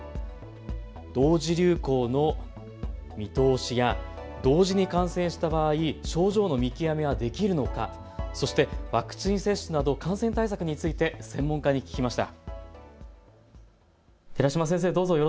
同時流行の見通しや同時に感染した場合、症状の見極めはできるのか、そしてワクチン接種など感染対策について専門家に聞きました。